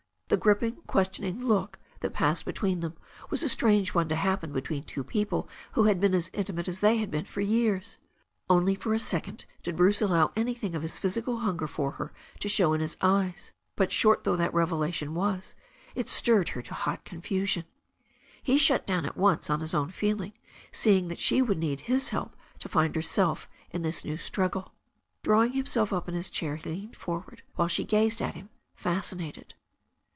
The gripping, questioning look that passed between them was a strange one to happen between two people who had been as intimate as they had been for years. Only for a second did Bruce allow anything of his physical hunger for her to show in his eyes, but short though that revelation was it stirred her to hot confuslv'^n. He shut down at once on his own feeling, seeing that she would need his help to find herself in this new struggle. Drawing himself up in his chair, he leaned forward, while she gazed at him, fascinated.